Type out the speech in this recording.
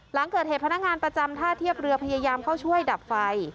หลังเกิดเหตุพนักงานประจำท่าเทียบเรือพยายามเข้าช่วยดับไฟ